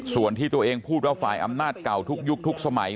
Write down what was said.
ส่วนที่ตัวเองพูดว่าฝ่ายอำนาจเก่าทุกยุคทุกสมัย